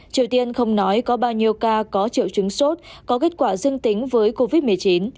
triều tiên không nói có bao nhiêu ca có triệu chứng sốt có kết quả dưng tính với covid một mươi chín